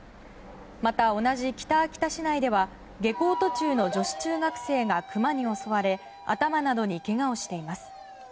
また同じ北秋田市内では下校途中の女子中学生がクマに襲われ頭などにけがをしています。